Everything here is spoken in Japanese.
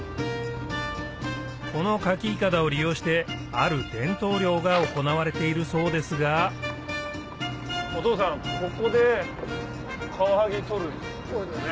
このカキ筏を利用してある伝統漁が行われているそうですがお父さんここでカワハギ取るんですよね？